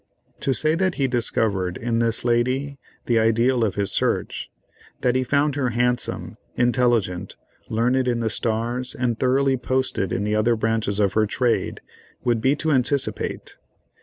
To say that he discovered, in this lady, the ideal of his search, that he found her handsome, intelligent, learned in the stars and thoroughly posted in the other branches of her trade, would be to anticipate.